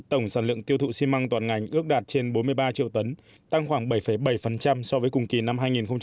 tổng sản lượng tiêu thụ xi măng toàn ngành ước đạt trên bốn mươi ba triệu tấn tăng khoảng bảy bảy so với cùng kỳ năm hai nghìn một mươi chín